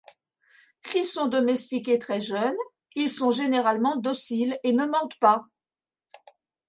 S'ils sont domestiqués très jeunes, ils sont généralement dociles et ne mordent pas.